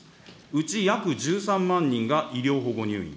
うち約１３万人が医療保護入院。